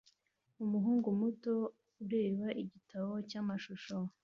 Umuhungu muto ureba igitabo cyamashusho